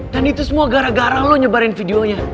dan itu semua gara gara lo nyebarin videonya